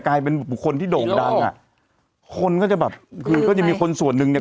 กลายเป็นบุคคลที่โด่งดังอ่ะคนก็จะแบบคือก็จะมีคนส่วนหนึ่งเนี้ย